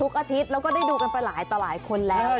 ทุกอาทิตย์เราก็ได้ดูกันไปหลายอีกต่อหลายคนแล้ว